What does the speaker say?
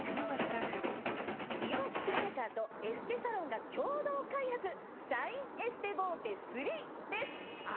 なく美容機器メーカーとエステサロンが共同開発シャインエステボーテ３です。